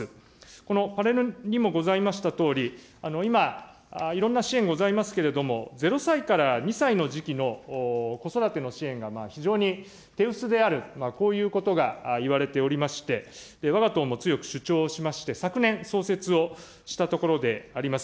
このパネルにもございましたとおり、今、いろんな支援ございますけれども、０歳から２歳の時期の子育ての支援が非常に手薄であるこういうことが言われておりまして、わが党も強く主張しまして、昨年、創設をしたところであります。